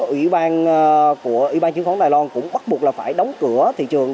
ủy ban của ủy ban chứng khoán đài loan cũng bắt buộc là phải đóng cửa thị trường